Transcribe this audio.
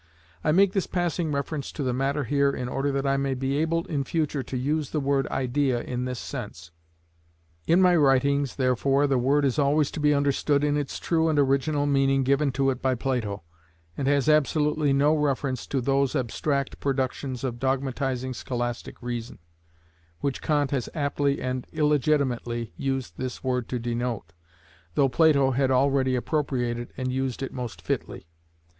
I make this passing reference to the matter here in order that I may be able in future to use the word Idea in this sense. In my writings, therefore, the word is always to be understood in its true and original meaning given to it by Plato, and has absolutely no reference to those abstract productions of dogmatising scholastic reason, which Kant has inaptly and illegitimately used this word to denote, though Plato had already appropriated and used it most fitly.